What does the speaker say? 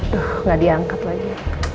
aduh ga diangkat lagi